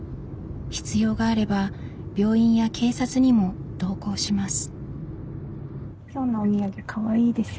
必要があれば病院や警察にも同行します。